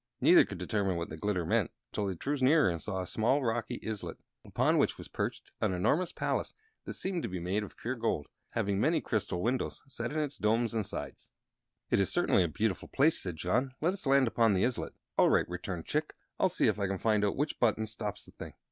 Neither could determine what the glitter meant, until they drew nearer and saw a small, rocky islet, upon which was perched an enormous palace that seemed to be made of pure gold, having many crystal windows set in its domes and sides. "It is certainly a beautiful place," said John. "Let us land upon the islet." "All right," returned Chick. "I'll see if I can find out which button stops the thing."